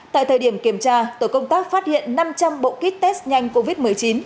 tại thời điểm kiểm tra tổ công tác phát hiện năm trăm linh bộ kit test nhanh covid một mươi chín